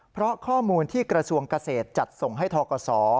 เพราะข้อมูลที่กระทรวงเกษตรจัดส่งให้ทกศ